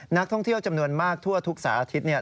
นักท่องเที่ยวจำนวนมากทั่วทุกสารอาทิตย์เนี่ย